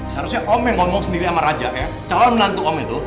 seharusnya om yang ngomong sendiri sama raja ya calon lantu om itu